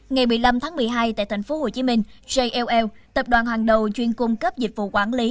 ngày một mươi năm tháng một mươi hai tại tp hcm jll tập đoàn hàng đầu chuyên cung cấp dịch vụ quản lý